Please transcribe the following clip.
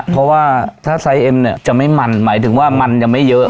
เพราะว่าถ้าไซเอ็มเนี่ยจะไม่มันหมายถึงว่ามันยังไม่เยอะ